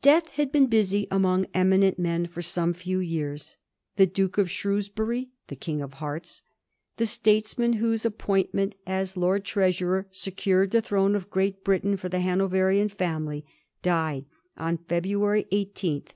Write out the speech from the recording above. Death had been busy among eminent men for some few years. The Duke of Shrewsbury, the * king of hearts,' the statesman whose appointment as Lord Treasurer secured the throne of Great Britain for the Hanoverian fiamily, died on February 18, 1717.